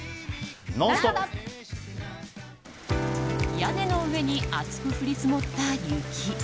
屋根の上に厚く降り積もった雪。